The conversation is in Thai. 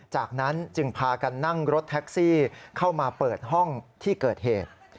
จากนั้นจึงพากันนั่งรถแท็กซี่เข้ามาเปิดห้องที่เกิดเหตุ